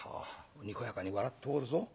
にこやかに笑っておるぞ。